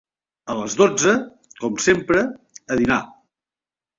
A les dotze, com sempre, a dinar;